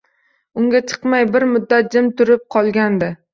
Unga chiqmay bir muddat jim turib qolgandi.